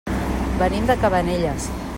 Venim de Cabanelles.